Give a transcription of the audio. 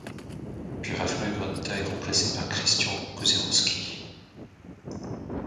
Puis Rafała Grunta est remplacé par Krystian Kozerawski.